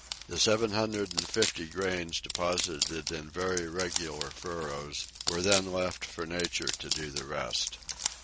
The seven hundred and fifty grains deposited in very regular furrows were then left for nature to do the rest.